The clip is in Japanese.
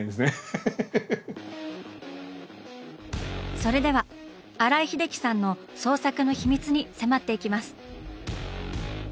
それでは新井英樹さんの創作の秘密に迫っていきます！